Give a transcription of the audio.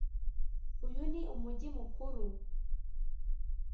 uyu ni umujyi mukuru.